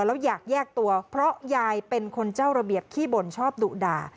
แล้วอยากแยกตัวเพราะยายเป็นคนเจ้าระเบียบขี้บ่นชอบดุด่า